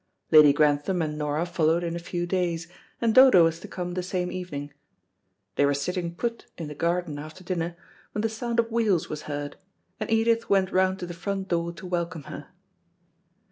Lady Grantham and Nora followed in a few days, and Dodo was to come the same evening. They were sitting put in the garden after dinner, when the sound of wheels was heard, and Edith went round to the front door to welcome her.